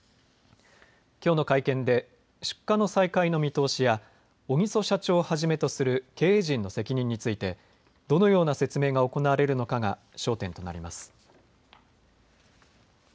きょうの会見で出荷の再開の見通しや小木曽社長をはじめとする経営陣の責任についてどのような説明が行われるのかが焦点となります。